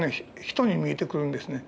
ヒトに見えてくるんですね。